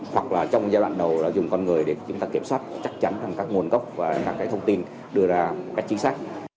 hoặc là trong giai đoạn đầu là dùng con người để chúng ta kiểm soát chắc chắn các nguồn gốc và các cái thông tin đưa ra các chính sách